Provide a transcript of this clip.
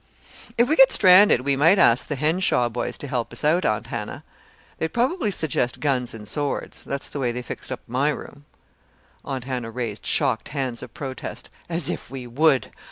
"If we get stranded we might ask the Henshaw boys to help us out, Aunt Hannah. They'd probably suggest guns and swords. That's the way they fixed up my room." Aunt Hannah raised shocked hands of protest. "As if we would!